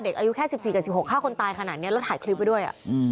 อายุแค่๑๔กับ๑๖ฆ่าคนตายขนาดนี้แล้วถ่ายคลิปไว้ด้วย